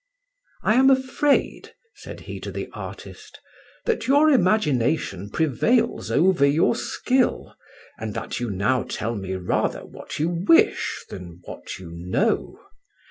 "I am afraid," said he to the artist, "that your imagination prevails over your skill, and that you now tell me rather what you wish than what you know.